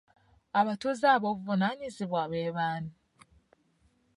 Abatuuze ab'obuvunaanyizibwa be baani?